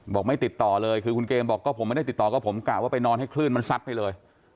ไม่ติดต่อเลยคือคุณเกมบอกก็ผมไม่ได้ติดต่อก็ผมกะว่าไปนอนให้คลื่นมันซัดไปเลย